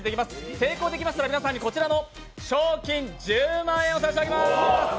成功しましたら、こちらの賞金１０万円を差し上げます。